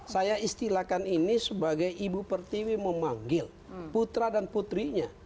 saya istilahkan ini sebagai ibu pertiwi memanggil putra dan putrinya